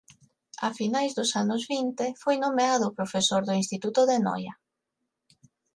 A finais dos anos vinte foi nomeado profesor do Instituto de Noia.